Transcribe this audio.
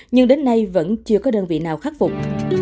nhưng đến nay vẫn chưa có đơn vị nào khắc phục